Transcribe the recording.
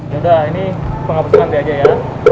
yaudah ini penghapus rante aja ya